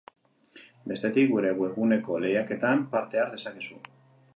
Bestetik, gure webguneko lehiaketan parte har dezakezu.